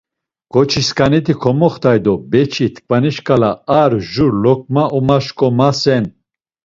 Ǩoçisǩaniti komoxt̆ay do beçi t̆ǩvani şǩala ar jur loǩma omaşǩomasen.